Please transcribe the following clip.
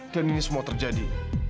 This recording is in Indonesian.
dan ini semua terjadi